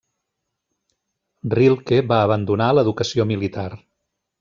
Rilke va abandonar l'educació militar.